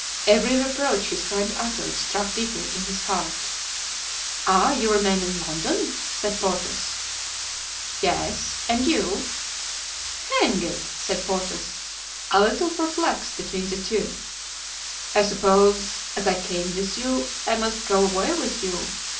Every reproach his friend uttered struck deeply in his heart. "Ah! you remain in London?" said Porthos. "Yes. And you?" "Hang it!" said Porthos, a little perplexed between the two, "I suppose, as I came with you, I must go away with you.